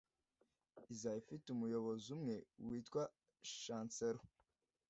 Izaba ifite umuyobozi umwe witwa Chancellor